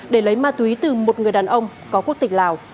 để lấy ma túy từ một người đàn ông có quốc tịch lào